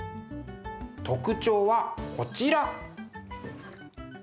特徴はこちら。